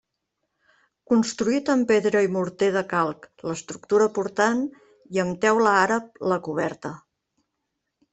Construït amb pedra i morter de calc, l'estructura portant, i amb teula àrab, la coberta.